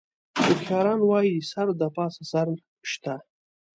هوښیاران وایي: سر د پاسه سر شته.